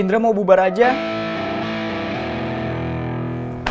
indra mau bubar aja